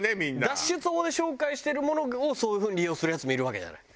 脱出法で紹介してるものをそういう風に利用するヤツもいるわけじゃない？